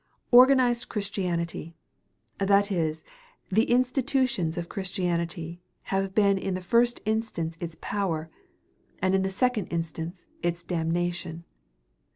Organized Christianity that is, the institutions of Christianity have been in the first instance its power, and in the second instance its damnation.